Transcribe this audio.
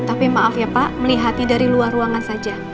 tapi maaf ya pak melihatnya dari luar ruangan saja